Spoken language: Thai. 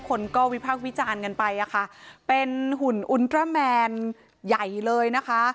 คนก็วิพากษ์วิจารณ์กันไปอะค่ะเป็นหุ่นอุตราแมนใหญ่เลยนะคะ